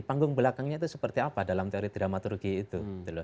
panggung belakangnya itu seperti apa dalam teori dramatologi itu